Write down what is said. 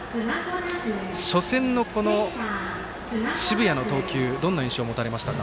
初戦の、この澁谷の投球どんな印象を持たれましたか。